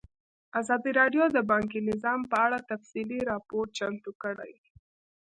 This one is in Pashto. ازادي راډیو د بانکي نظام په اړه تفصیلي راپور چمتو کړی.